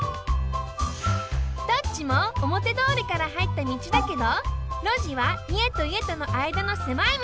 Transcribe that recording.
どっちもおもてどおりからはいった道だけど「路地」はいえといえとのあいだのせまい道。